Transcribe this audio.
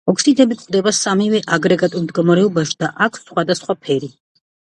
ოქსიდები გვხვდება სამივე აგრეგატულ მდგომარეობაში და აქვთ სხვადასხვა ფერი.